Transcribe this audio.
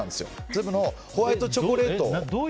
粒のホワイトチョコレート。